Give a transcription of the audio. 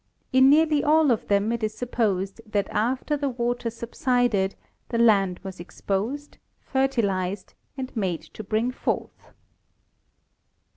In nearly all of them it is supposed that after the water subsided the land was exposed, fertilized and made to bring forth.